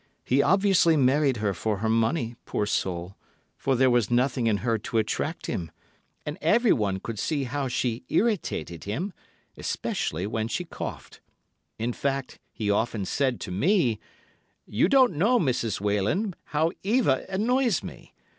He obviously married her for her money, poor soul, for there was nothing in her to attract him, and everyone could see how she irritated him, especially when she coughed—in fact, he often said to me, 'You don't know, Mrs. Wehlen, how Eva annoys me.